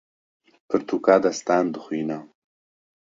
Pirtûka destan dixwîne.